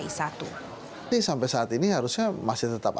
ini sampai saat ini harusnya masih tetap ada